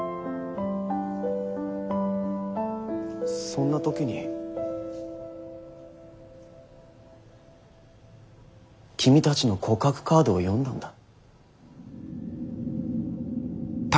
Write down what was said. そんな時に君たちの告白カードを読んだんだ。